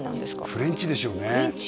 フレンチでしょうねフレンチ？